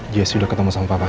dia sudah ketemu sama papa